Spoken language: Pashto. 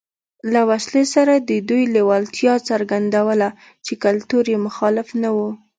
له وسلې سره د دوی لېوالتیا څرګندوله چې کلتور یې مخالف نه و